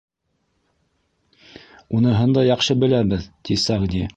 — Уныһын да яҡшы беләбеҙ, — ти Сәғди.